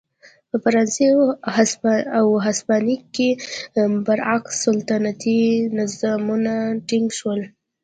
په فرانسې او هسپانیې کې برعکس سلطنتي نظامونه ټینګ شول.